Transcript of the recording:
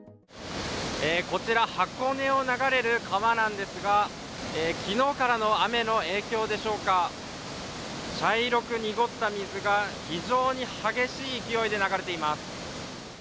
こちら、箱根を流れる川なんですが、昨日からの雨の影響でしょうか茶色く濁った水が非常に激しい勢いで流れています。